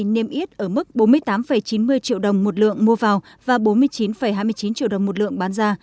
niêm yết ở mức bốn mươi tám chín mươi triệu đồng một lượng mua vào và bốn mươi chín hai mươi chín triệu đồng một lượng bán ra